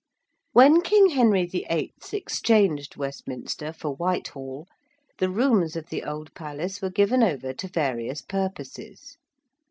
When King Henry VIII. exchanged Westminster for Whitehall the rooms of the old Palace were given over to various purposes.